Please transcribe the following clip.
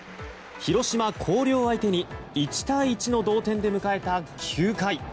広島・広陵相手に１対１の同点で迎えた９回。